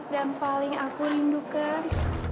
dan paling aku rindukan